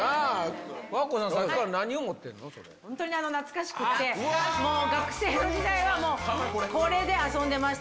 和歌子、本当に懐かしくて、もう学生の時代は、これで遊んでました。